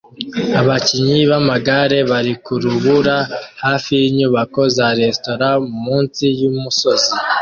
Abakinnyi b'amagare bari ku rubura hafi yinyubako za resitora munsi yumusozi